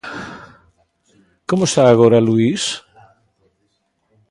Como está agora, Luís?